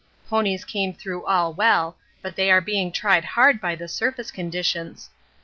Ponies came through all well, but they are being tried hard by the surface conditions.